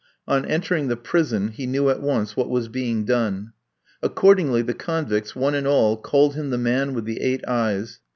On entering the prison, he knew at once what was being done. Accordingly, the convicts, one and all, called him the man with the eight eyes.